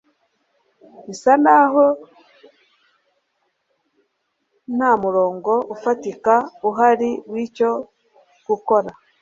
bisa nk'aho nta murongo ufatika uhari w'cyo gukora